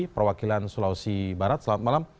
perwakilan sulawesi barat selamat malam